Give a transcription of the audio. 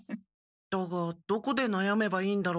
だがどこでなやめばいいんだろう？